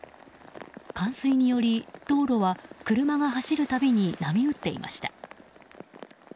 冠水により道路は車が走るたびに波打っていました。